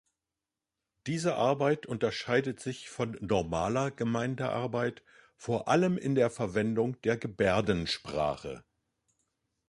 Diese Arbeit unterscheidet sich von „normaler“ Gemeindearbeit vor allem in der Verwendung der Gebärdensprache.